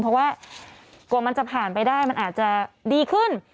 เพราะว่ากว่ามันจะผ่านไปได้มันอาจจะดีขึ้น